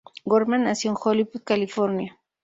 Gorman nació en Hollywood, California.